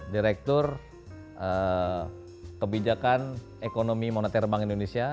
direktur kebijakan ekonomi moneter bank indonesia